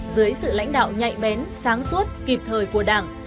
dưới sự lãnh đạo nhạy bén sáng suốt kịp thời của đảng